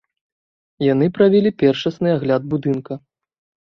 Яны правялі першасны агляд будынка.